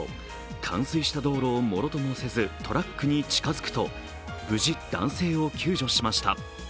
冠水した道路をものともせずトラックに近づくと無事男性を救助しました。